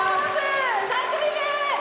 ３組目！